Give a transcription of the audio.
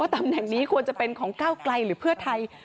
ตำแหน่งนี้ควรจะเป็นของก้าวไกลหรือเพื่อไทย